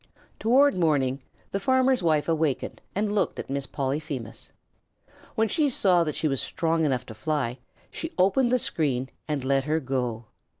Page 109] Toward morning the farmer's wife awakened and looked at Miss Polyphemus. When she saw that she was strong enough to fly, she opened the screen and let her go.